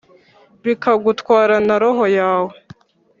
bikagutwara na roho yawe